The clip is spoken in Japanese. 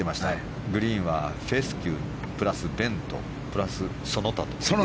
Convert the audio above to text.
グリーンはフェスキュープラスベントプラスその他と。